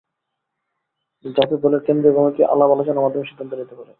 যাতে দলের কেন্দ্রীয় কমিটি আলাপ আলোচনার মাধ্যমে সিদ্ধান্ত নিতে পারে।